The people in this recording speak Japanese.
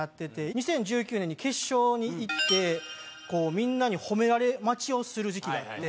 ２０１９年に決勝にいってみんなに褒められ待ちをする時期があって。